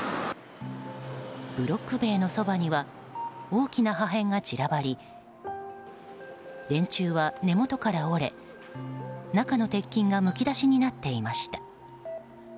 ブロック塀のそばには大きな破片が散らばり電柱は根元から折れ中の鉄筋がむき出しになっていました。